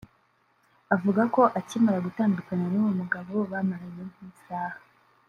Avuga ko akimara gutandukana n’uwo mugabo bamaranye nk’isaha